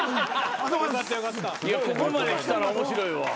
いやここまできたら面白いわ。